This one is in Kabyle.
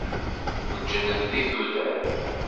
Lǧennet di tudert.